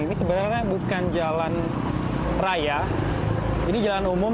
ini sebenarnya bukan jalan raya ini jalan umum